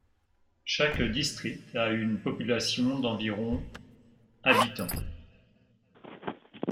Chaque district a une population d'environ habitants.